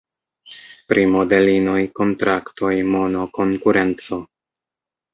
Pri modelinoj, kontraktoj, mono, konkurenco.